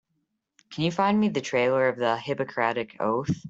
Can you find me the trailer of the Hippocratic Oath?